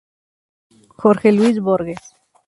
Jorge Luis Borges.